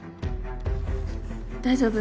大丈夫？